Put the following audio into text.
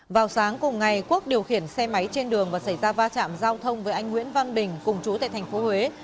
vào sáng cùng ngày quốc điều khiển xe máy trên đường và xảy ra va chạm giao thông với anh nguyễn văn bình cùng chú tại tp huế